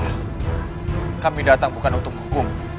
tidak tenang kami datang bukan untuk hukum